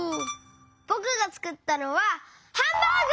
ぼくがつくったのはハンバーグ！